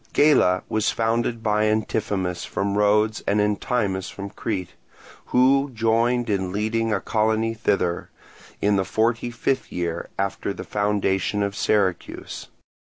Gela was founded by Antiphemus from Rhodes and Entimus from Crete, who joined in leading a colony thither, in the forty fifth year after the foundation of Syracuse.